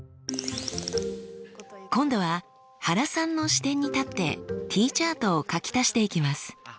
今度は原さんの視点に立ってＴチャートを書き足していきます。